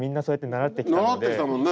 習ってきたもんね。